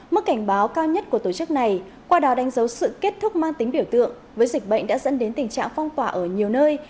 mức cảnh báo cao nhất của tổ chức này qua đó đánh dấu sự kết thúc mang tính biểu tượng với dịch bệnh đã dẫn đến tình trạng phong tỏa ở nhiều nơi